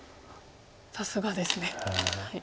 さすがですね。